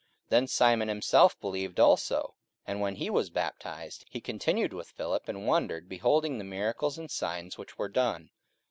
44:008:013 Then Simon himself believed also: and when he was baptized, he continued with Philip, and wondered, beholding the miracles and signs which were done.